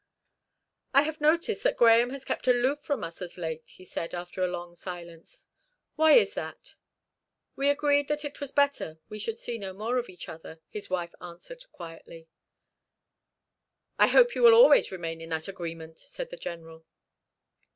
"I have noticed that Grahame has kept aloof from us of late," he said, after a long silence. "Why is that?" "We agreed that it was better we should see no more of each other," his wife answered quietly. "I hope you will always remain in that agreement," said the General.